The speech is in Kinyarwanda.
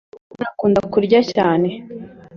uyumwana akunda kurya cyane